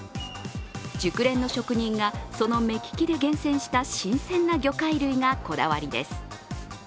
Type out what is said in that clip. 熟練の職人が、その目利きで厳選した新鮮な魚介類がこだわりです。